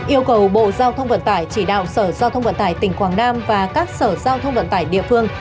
yêu cầu bộ giao thông vận tải chỉ đạo sở giao thông vận tải tỉnh quảng nam và các sở giao thông vận tải địa phương